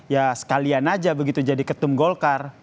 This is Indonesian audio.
ya sekalian aja begitu jadi ketum golkar